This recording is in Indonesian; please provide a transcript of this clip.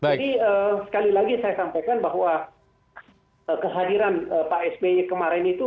jadi sekali lagi saya sampaikan bahwa kehadiran pak sby kemarin itu